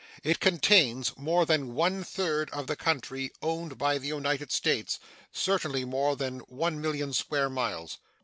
It contains more than one third of the country owned by the United States certainly more than 1,000,000 square miles.